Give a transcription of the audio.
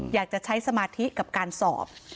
อยากจะใช้สมาธิกับการสอบ